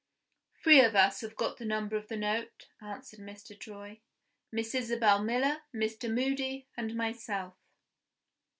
"Three of us have got the number of the note," answered Mr. Troy; "Miss Isabel Miller, Mr. Moody, and myself."